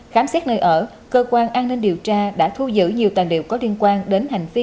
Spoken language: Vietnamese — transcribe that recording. khám xét nơi ở cơ quan an ninh điều tra đã thu giữ nhiều tài liệu có liên quan đến hành vi